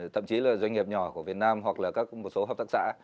thậm chí là doanh nghiệp nhỏ của việt nam hoặc là các một số hợp tác xã